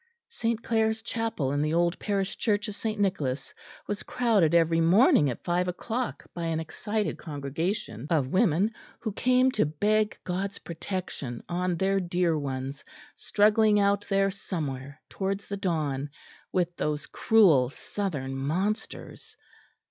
St. Clare's chapel in the old parish church of St. Nicholas was crowded every morning at five o'clock by an excited congregation of women, who came to beg God's protection on their dear ones struggling out there somewhere towards the dawn with those cruel Southern monsters.